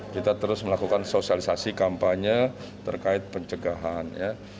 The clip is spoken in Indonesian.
kita terus melakukan sosialisasi kampanye terkait pencegahan ya